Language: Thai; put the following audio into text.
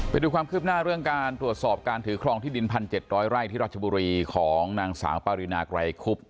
ไปดูความคืบหน้าเรื่องการตรวจสอบการถือครองที่ดิน๑๗๐๐ไร่ที่ราชบุรีของนางสาวปารินาไกรคุบ